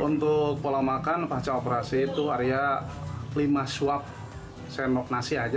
untuk pola makan baca operasi itu arya lima suap senok nasi saja